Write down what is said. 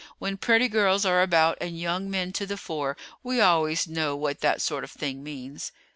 When pretty girls are about, and young men to the fore, we always know what that sort of thing means."